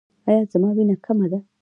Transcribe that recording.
ایا زما وینه کمه ده؟